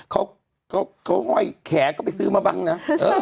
เขาห้อยแขกก็ไปซื้อมาบ้างนะ